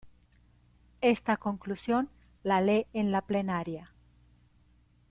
Esta conclusión la lee en la plenaria.